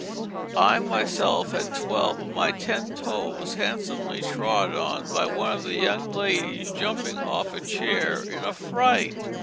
I myself had twelve of my ten toes handsomely trod on by one of the young ladies jumping off a chair in a fright.